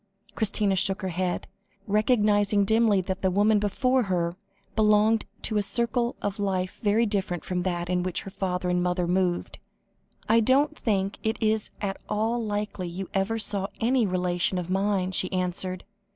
Christina shook her head, recognising dimly that the woman before her, belonged to a circle of life very different from that in which her father and mother had moved. "I don't think it is at all likely you ever saw any relation of mine," she answered.